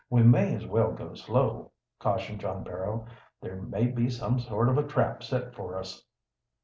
"We may as well go slow," cautioned John Barrow. "There may be some sort of a trap set for us."